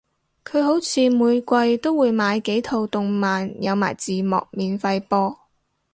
佢好似每季都會買幾套動漫有埋字幕免費播